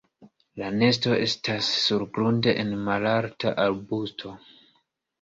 La nesto estas surgrunde en malalta arbusto.